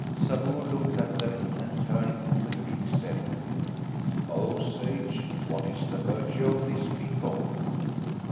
Sabur looked at them and turning to the Greek, said to him, "O sage, what is the virtue of this peacock?"